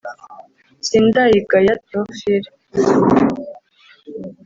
Sindayigaya Théophile